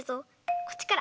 こっちから。